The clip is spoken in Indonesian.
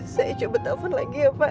saya coba telepon lagi ya pak